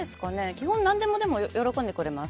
基本何でも喜んでくれます。